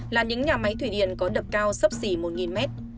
là những nhà máy thủy điện có đập cao sấp xỉ một mét